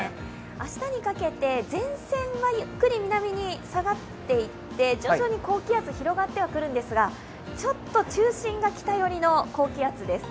明日にかけて、前線はゆっくり南に下がっていって、徐々に高気圧、広がってはくるんですが、ちょっと中心が北寄りの高気圧ですね。